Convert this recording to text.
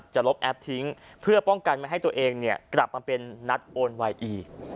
ลบแอปทิ้งเพื่อป้องกันไม่ให้ตัวเองกลับมาเป็นนัดโอนไวอีก